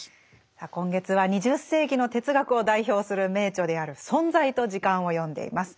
さあ今月は２０世紀の哲学を代表する名著である「存在と時間」を読んでいます。